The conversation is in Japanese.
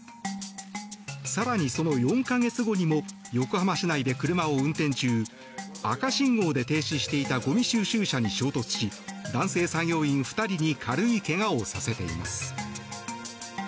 更にその４か月後にも横浜市内で車を運転中赤信号で停止していたゴミ収集車に衝突し男性作業員２人に軽い怪我をさせています。